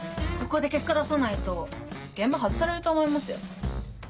ここで結果出さないと現場外されると思いますよ。